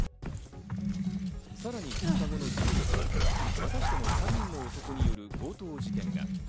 さらに２日後の１４日間、またしても３人の男による強盗事件が。